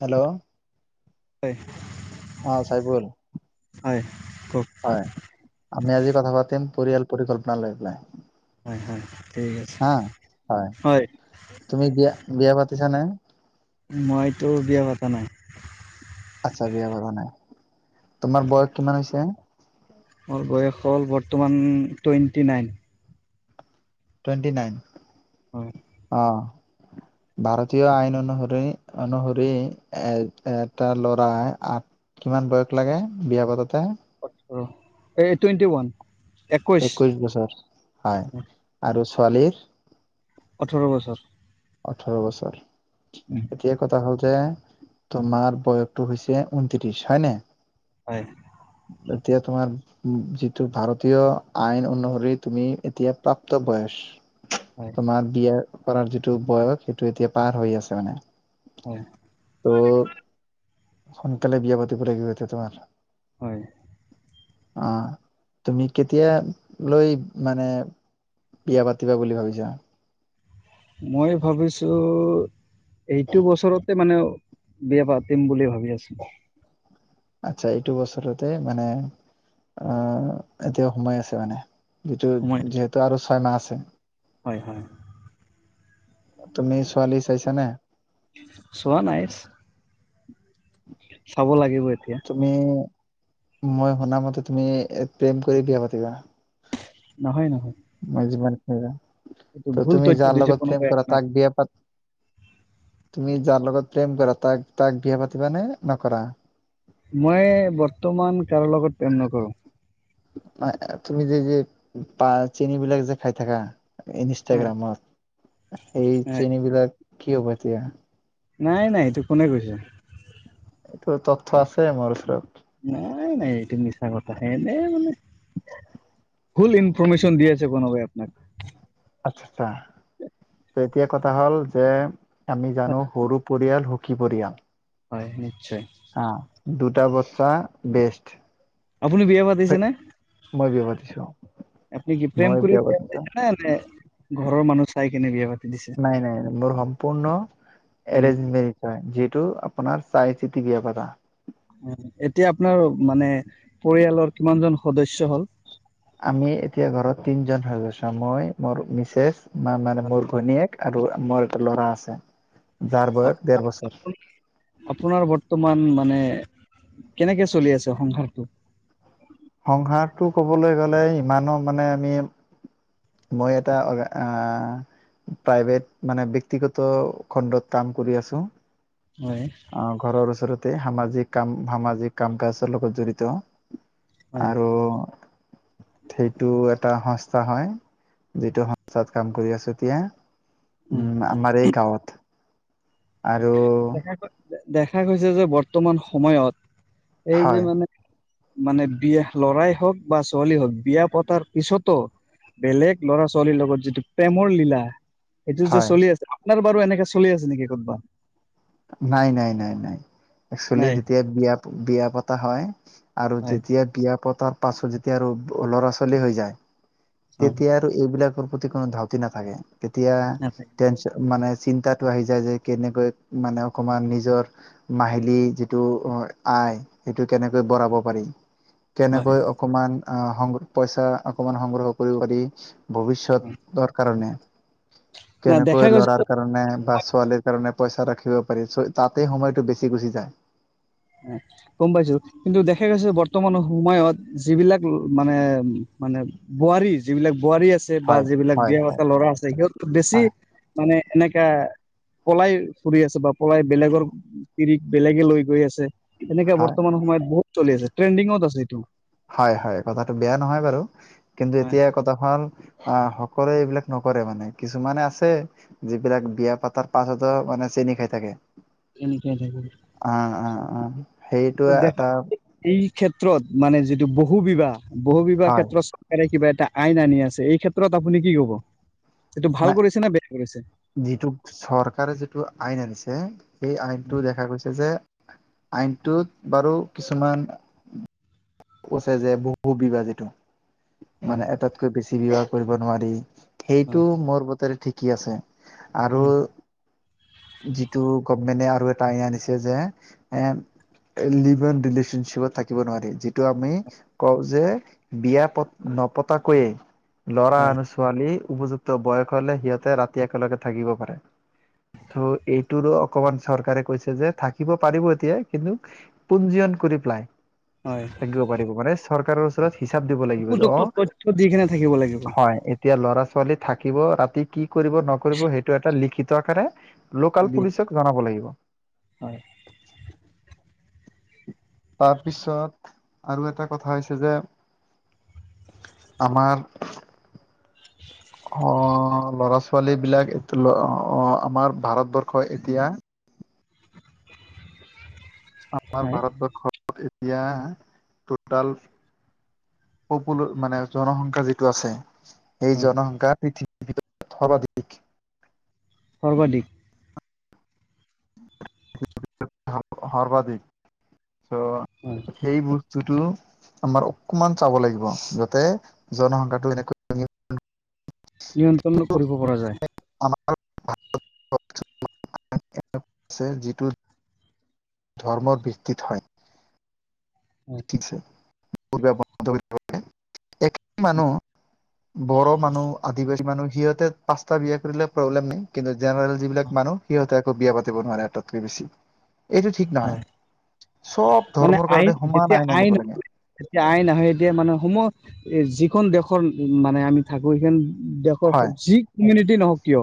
Hello. হয়। অ', চাইফুল হয়। কওক হয়, আমি আজি কথা পাতিম পৰিয়াল পৰিকল্পনা লৈ পেলাই। হয়, হয়। ঠিক আছে হা হয়, তুমি বিয়া, বিয়া পাতিছানে? মইতো বিয়া পাতা নাই। আচ্ছা বিয়া পাতা নাই, তোমাৰ বয়স কিমান হৈছে? মোৰ বয়স হ'ল বৰ্তমান টুৱেণ্টি নাইন। টুৱেণ্টি নাইন হয় অ'। ভাৰতীয় আইন অনুসৰি অনুসৰি এ, এটা ল'ৰাই আ কিমান বয়স লাগে বিয়া পাতোতে? এই টুৱেণ্টি ওৱান। একৈছ একৈশ বছৰ হয় আৰু ছোৱালীৰ? ওঠৰ বছৰ। ওঁঠৰ বছৰ, এতিয়া কথা হল যে তোমাৰ বয়সটো হৈছে ঊনত্ৰিশ হয়নে? হয়। এতিয়া তোমাৰ যিটো ভাৰতীয় আইন অনুসৰি তুমি এতিয়া প্ৰাপ্ত বয়স হয় তোমাত বিয়া কৰাৰ যিটো বয়স সেইটো এতিয়া পাৰ হৈ আছে মানে। হয়। ত সোনকালে বিয়া পাতিব লাগিব এতিয়া তোমাৰ। হয় অ। তুমি কেতিয়া লৈ মানে বিয়া পাতিবা বুলি ভাবিছা? মই ভাবিছো এইটো বছৰতে মানে বিয়া পাতিম বুলি ভাবি আছো। আচ্ছা এইটো বছৰতে মানে অ', এতিয়াও সোমাই আছে মানে যিটো সময় যিহেতু আৰু ছয় মাহ আছে। হয়, হয়। তুমি ছোৱালী চাইছানে? চোৱা নাইছ। [inaudible] চাব লাগিব এ তুমি মই শুনা মতে তুমি প্ৰেম কৰি বিয়া পাতিবা। নহয়, নহয়। মই জীৱন [unintelligible] এইটো ত' ভুল তুমি তথ্য যাৰ দিছে লগত প্ৰম কোনোবাই কৰা আপোনাক তাক বিয়া পাত তুমি যাৰ লগত প্ৰেম কৰা তাক তাক বিয়া পাতিব নে নকৰা? মই বৰ্তমান কাৰো লগত প্ৰেম নকৰোঁ। তুমি যে যে পা চেনিবিলাক যে খাই থাকা। ইনষ্টাগ্ৰামত সেই চেনিবিলাক কি হ'ব তেতিয়া? নাই, নাই, এইটো কোনে কৈছে? এইটো তথ্য আছে মোৰ ওচৰত। নাই, নাই, এইটো মিছা কথা এনে মানে ভুল ইনফ'ৰ্মেশ্বন দি আছে কোনোবাই আপোনাক। আচ্ছা। তে এতিয়া কথা হ'ল যে আমি জানো সৰু পৰিয়াল, সুখী পৰিয়াল হয়, নি অ', দুটা বচ্চা বেষ্ট। আপুনি বিয়া পাতিছেনে? মই বিয়া পাতিছো আপুনি কি প্ৰেম মই বিয়া কৰিছে পাতিছো নাই নাই ঘৰৰ মানুহ চাই কেনে বিয়া পাতি দিছে নাই নাই ন মোৰ সম্পূৰ্ণ উম এঞ্জ হয়। টো আপোনাৰ চাই চিতি বিয়া পাতা। এতিয়া আপোনাৰ মানে। পৰিয়ালৰ কিমান জন সদস্য হ'ল? আমি এতিয়া ঘৰত তিনজন সদস্য মই মোৰ মিছেছ মা মানে মোৰ ভনীয়েক। আৰু আ মোৰাৰ এটা ল'ৰা আছে। যাৰ বয়স ডেৰ বছৰ আপোনাৰ বৰ্তমান মানে। কেনেকে চলি আছে সংসাৰটো? সংসাৰটো কবলৈ গ'লে ইমানো মানে আমি। মই এটা অ আহ? প্ৰাইভেট মানে ব্যক্তিগত খণ্ডত কাম কৰি আছো। হয় অ ঘৰৰ ওচৰতে সামাজ। কাম সামাজিক কাম কাজৰ লগত জড়িত হয় আৰু। সেইটো এটা সংস্থা হয় যিটো সংস্থাত কাম কৰি আছো এতিয়া। উম আমাৰ এই গাঁৱত। আৰু দেখা গৈ- দেখা গৈছে যে বৰ্তমান সময়ত এই যে হয় মানে মানে বিয়া লৰাই হওক বা ছোৱালী হওক বিয়া পতাৰ পিছতো। বেলেগ ল'ৰা ছোৱালীৰ লগত যিটো প্ৰেমৰ লীলা। সেইটো যে হয় চলি আছে আপোনাৰ বাৰু এনেকে চলি আছে নেকি কৰ'বাত। নাই নাই নাই নাই একচুৱেলি নাই যেতিয়া বিয়া বিয়া পতা হয়। আৰু হয় যেতিয়া বিয়া পতাৰ পাছত যেতিয়া আৰু ল'ৰা ছোৱালী হৈ যায়। হয় তেতিয়া আৰু এইবিলাকৰ প্ৰতি কোনো ধাউতি নাথাকে তেতিয়া নাথাকে টেনচন মানে। চিন্তাটো আহি যায় যে কেনেকৈ মানে অকমান নিজৰ মাহিলী যিটো আয় সেইটো কেনেকৈ বঢ়াব পাৰি। হয় কেনেকৈ অকমান আহ সং পইচা অকমান সংগ্ৰহ কৰিব পাৰি। ভৱিষ্যতৰ কাৰণে। না দেখা কেনেকৈ গৈছে লৰাৰ কাৰণে বা ছোৱালীৰ কাৰণে পইচা ৰাখ। তাতে সময়টো বেছি গুচি যায়। গম পাইছো কিন্তু দেখা গৈছে বৰ্তমান সময়ত যিবিলাক মানে। মানে বোৱাৰী যিবিলাক বোৱাৰী আছে বা হয়, যিবিলাক হয়, বিয়া হয়, পতা ল'ৰা আছে সিহঁত বেছি হয়, মানে এনেকা পলাই ফুৰি আছে বা পলাই বেলেগৰ তিৰিক বেলেগে লৈ গৈ আছে যে এনেকে হয়, বৰ্তমান সময়ত বহুত চলি আছে ট্ৰেণ্ডিংত আছে এইটো। হয়-হয় কথাটো বেয়া নহয় বাৰু কিন্তু হয় এতিয়া কথা হ'ল অ কৰে এইবিলাক নকৰে মানে কিছুমানে আছে যিবিলাক বিয়া পাতাৰ পাছত মানে চেনি খাই থাকে। আহ, [unintelligible] আহ, আহ, সেইটো এটা ত'দেখাত এই ক্ষেত ক্ষেত্ৰত মানে যিটো বহু বিবাহ- বহু বিবাহ হয়, ক্ষেত্ৰত চৰকাৰে কিবা এটা আইন আনি আছে এই ক্ষেত্ৰত আপুনি কি ক'ব? এইটো ভাল নাই কৰিছে নে বেয়া কৰিছে যিটো চৰকাৰে যিটো আইন আনিছে সেই আইনটো উম, দেখা গৈছে যে আইনটোত বাৰু কিছুমান কৈছে যে বহু বিবাহ যিটো হয় মানে এটাতকৈ বেছি বিবাহ কৰিব নোৱাৰি। হয় সেইটো মোৰ বোতেৰে ঠিকেই আছে আৰু উম যিটো গভমেণ্টে আৰু এটা আইন আনিছে যে এ লিভ ইন ৰিলেশ্বনশ্বিপত থাকিব নোৱাৰি যিটো আমি কওঁ যে বিয়া পত নপতাকৈয়ে লৰা হয় আৰু ছোৱালী উপযুক্ত বয়স হ'লে সিহঁতে ৰাতি একেলগে থাকিব পাৰে। চ' এইটোৰো অকমান চৰকাৰে কৈছে যে থাকিব পাৰিব এতিয়া কিন্তু পঞ্জীয়ন কৰি কৰি পেলাই হয় থাকিব পাৰিব মানে চৰকাৰৰ ওচৰত হিচাপ দিব লাগিব যে অ, উপযুক্ত তথ্য দি কেনে থাকিব লাগিব দিব হয় এতিয়া ল'ৰা ছোৱালী থাকিব ৰাতি কি কৰিব নকৰিব সেইটো এটা লিখিত আকাৰে লোকাল লাগিব। পুলিচক জনাব লাগিব। হয় তাৰপিছত আৰু এটা কথা হৈছে যে। আমাৰ। অ ল'ৰা ছোৱালী বিলাক এইটো আহ আমাৰ ভাৰতবৰ্ষ এতিয়া। আমাৰ হয় ভাৰতবৰ্ষত এতিয়া টোটেল। পপুল মানে জনসংখ্যা যিটো আছে। এই হয় জনসংখ্যা পৃথিৱীৰ ভিতৰত সৰ্বাধিক। সৰ্বাধিক। [unintelligible] সৰ্বাধিক হয় ত সেই ব বস্তুটো আমাৰ অকমান চাব লাগিব যাতে জনসংখ্যাটো এনেকৈ ই [unintelligible] নিয়ন্ত্ৰণ কৰিব পৰা যায় [unintelligible] অ যিটো ধৰ্মৰ ভিত্তিত হয় হয় [unintelligible] একে মানুহ বড়ো মানুহ আদিবাসী মানুহ সিহঁতে পাঁচটা বিয়া কৰিলে প্ৰব্লেম নাই কিন্তু জেনেৰেল যিবিলাক মানুহ সিহঁতে আকৌ বিয়া পাতিব নোৱাৰে এটাতকে বেছি এইটো ঠিক নহয় হয় সব মানে ধৰ্মৰ কাৰণে আইন সমান যেতিয়া আনিব আইন লাগে তেতিয়া আইন আহে এতিয়া মানে সমহ যিখন দেশৰ মানে আমি থাকো সেইখন দেশৰ হয় যি কমিনিটি নহওক কিয়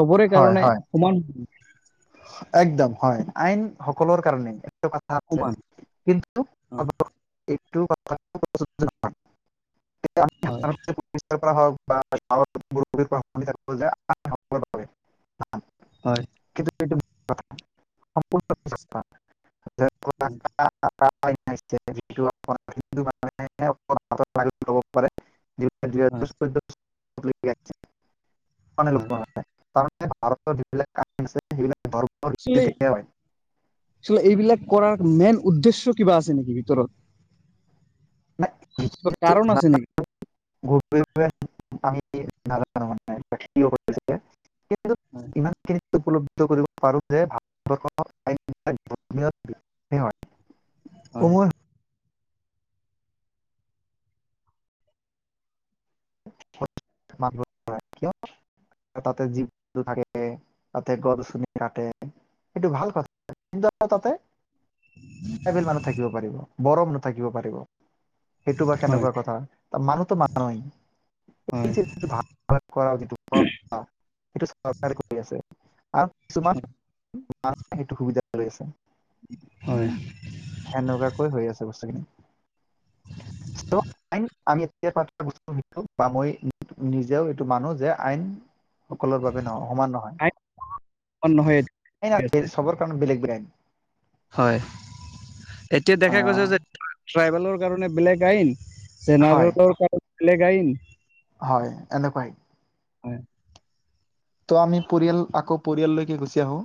চবৰে হয় কাৰণে হয় সমান একদম হয় আইন সকলৰ কাৰণে এটা কথা আছে সমান কিন্তু অ [unintelligible] [unintelligible] আমি হয় সাধাৰণতে পুলিচৰ পৰা হওক বা [unintelligible] [unintelligible] হয় কিন্তু এইটো ভুল কথা সম্পুৰ্ণ মিছা কথা [unintelligible] হয় হয় [unintelligible] হয় পাৰে [unintelligible] ভাৰতৰ যিবিলাক আইন আছে সেইবিলাক ভাৰতৰ [unintelligible] হয় চল এইবিলাক কৰাৰ মেইন উদ্দেশ্য কিবা আছে নিকি ভিতৰত ক কাৰণ আছে নিকি [unintelligible] [unintelligible] ইমান খিনি উপলব্ধ হয় কৰিব পাৰোঁ যে ভাৰতবৰ্ষৰ আইন [unintelligible] হয় [unintelligible] কিয় তাতে জীৱ-জন্তু থাকে তাতে গছ [unintelligible] নি কাটে এইটো ভাল কথা। কিন্তু তাতে ট্ৰাইবেল মানুহ থাকিব পাৰিব, বড়ো মানুহ থাকিব পাৰিব। সেইটো বা হয় কেনেকুৱা কথা ত মানুহ তো মান হয় [unintelligible] আৰু কিছুমানু সেইটো সুবিধা কৰি আছে। হয়। সেনেকুৱাকৈ হৈ আছে বস্তুখিনি আই আমি বস বা মই নিজেও এইটো মানো যে আইন সকলৰ বাবে নহয় সমান নহয়। অ নহয় আইন আ সবৰ কাৰণে বেলেগ বেলেগ হয় এতিয়া দেখা গৈছে আহ, যে ট্ৰাইবেলৰ কাৰণে বেলেগ আইন হয় জেনেৰেলৰ কাৰণে বেলেগ আইন হয় এনেকুৱাই। হয়। ত' আমি পৰিয়াল আকৌ পৰিয়াললৈকে গুচি আহো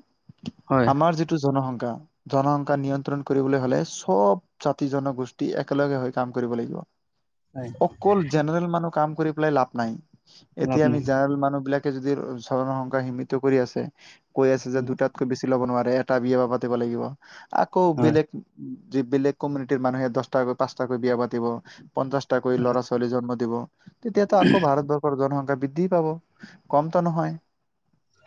হয় আমাৰ যিটো জনসংখ্যা। জনসংখ্যা নিয়ন্ত্ৰণ কৰিবলৈ হলে চব জাতি জনগোষ্ঠী একেলগে হৈ কাম কৰিব লাগিব। হয় অকল জেনেৰেল মানুহ কাম কৰি পেলাই লাভ নাই লাভ এতিয়া আমি নাই জেনেৰেল মানুহ বিলাক যদি চৰৰ সংসাৰ সীমিত কৰি আছে কৈ আছে যে দুটাতকৈ বেছি ল'ব নোৱাৰে। এটা বিয়া ব পাতিব লাগিব আকৌ হয় বেলেগ। যি বেলেগ কমিউনিটিৰ মানুহে দস্তা পচটাকৈ বিয়া পাতি পঞ্চাশটাাকৈ ল'ৰা ছোৱালী জন্ম দিব। তেতিয়াতো আকৌ ভাৰতবৰ্ষৰ জনসংখ্যা বৃদ্ধি পাব কমটো নহয়।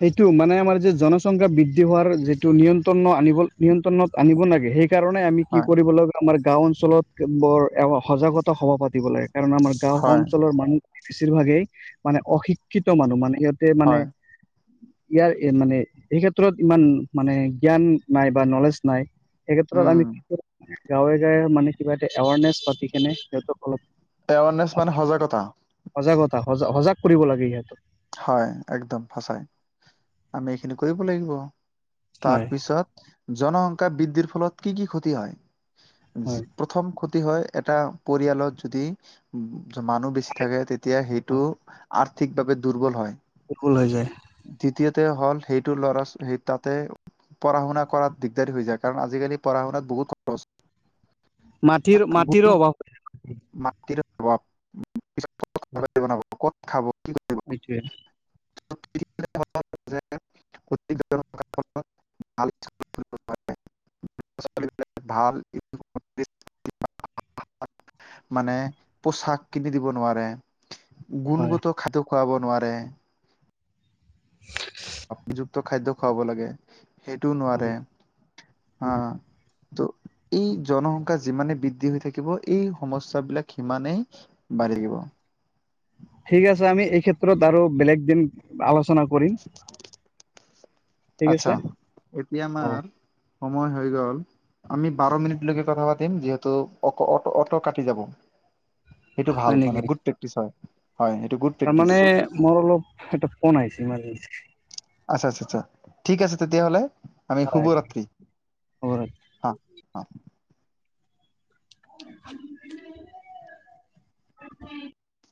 সেইটো মানে আমাৰ যে জনচংখ্যা বৃদ্ধি হোৱাৰ যিটো নিয়ন্ত্ৰণ আনিব নিয়ন্ত্ৰণত আনিব লাগে। সেই সেইকাৰণে আমি কি হয় কৰিব লাগিব আমাৰ গাঁও অঞ্চলত বৰ সজাগতা সভা পাতিব লাগে। কাৰণ আমাৰ গাঁও হয় অঞ্চলৰ মানুহ বেছিভাগেই মানে অশিক্ষিত মানুহ মানে। সিহতে মানে। হয় ইয়াৰ মানে এই ক্ষেত্ৰত ইমান মানে জ্ঞান নাই বা নলেজ নাই। এই ক্ষেত্ৰত উম আমি গাঁৱে গাঁৱে মানে কিবা এটা এৱাৰনেছ পাতি কিনে সিহঁতক অলপ এৱাৰনেছ মানে সজাগতা। সজাগতা সজাগ কৰিব লাগে ইহঁতক। হয় একদম সচাই আমি এইখিনি কৰিব লাগিব। তাৰ হয় পিছত জনসংখ্যা বৃদ্ধিৰ ফলত কি কি ক্ষতি হয়? হয় প্ৰথম ক্ষতি হয় এটা পৰিয়ালত যদি মানুহ বেছি থাকে তেতি তিয়া সেইটো আৰ্থিকভাৱে দুৰ্বল হয়। বিকুল হৈ যায়। দ্বিতীয়তে হ'ল সেইটো ল'ৰা চে সেই তাতে পঢ়া শুনা কৰা দিগদাৰী হৈ যায় কাৰণ আজিকালি পঢ়া শুনাত বহুত খৰচ। মাটিৰ বহুত মাটিৰো অভাৱ। [unintelligible] বনাব ক'ত খাব কি কৰিব এইটোয়ে [unintelligible] [unintelligible] ভাল মানে পোছাক কিনি দিব নোৱাৰে। হয় গুণগত খাদ্য খুৱাব নোৱাৰে। [unintelligible] [unintelligible] যুক্ত খাদ্য খুৱাব লাগে, সেইটোও নোৱাৰে হয়। হা। ত' এই জনসংখ্যা যিমানে বৃদ্ধি হৈ থাকিব এই সমস্যাবিলাক সিমানেই। বাঢ়ি থাকিব ঠিক আছে আমি এই ক্ষেত্ৰত আৰু বেলেগ দিন আলো। চনা কৰিম। ঠিক আচ্ছা আছে এতিয়া হ'ব আমাৰ সময় হৈ গ'ল। আমি বাৰ মিনিটলৈকে কথা পাতিম যিহেতু অ অ অটো কাটি যাব। সেইটো হয় ভাল নেকি মানে গুড প্ৰেক্টিচ হয়। হয় সেইটো গুড প্ৰেক্টিচ তাৰমানে মোৰ অলপ এটো ফোন আহিছে ইমাৰ্জেঞ্চি। আচ্ছা আচ্ছাচ্ছা ঠিক আছে তেতিয়াহ'লে। আমি হয় শুভৰাত্ৰি হ'ব অহ অহ। [unintelligible]